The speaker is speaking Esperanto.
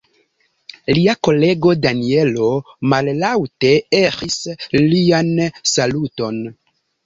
Lia kolego Danjelo mallaŭte eĥis lian saluton.